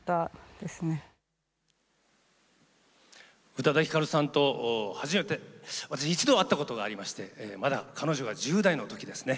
宇多田ヒカルさんと初めて、一度会ったことがありましてまだ彼女が１０代のときですね